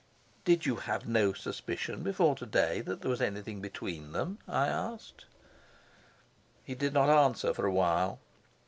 "Did you have no suspicion before to day that there was anything between them?" I asked. He did not answer for a while.